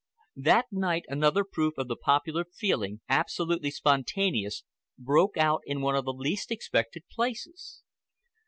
That night another proof of the popular feeling, absolutely spontaneous, broke out in one of the least expected places.